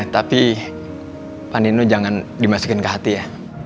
tapi panino jangan dimasukin ke hati ya